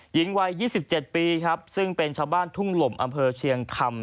หญิงวัย๒๗ปีครับซึ่งเป็นชาวบ้านทุ่งหล่มอำเภอเชียงคำ